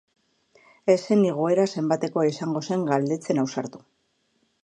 Ez zen igoera zenbatekoa izango zen galdetzen ausartu.